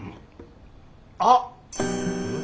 あっ。